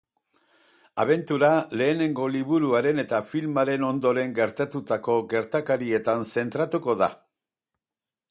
Abentura lehenengo liburuaren eta filmearen ondoren gertatutako gertakarietan zentratuko da.